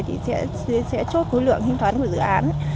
thì sẽ chốt khối lượng hình toán của dự án